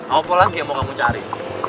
apa lagi yang mau kamu cari